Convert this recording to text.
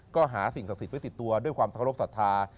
ก็หาสิ่งศักดิ์สิทธิไว้ติดตัวด้วยความเคารพสัทธา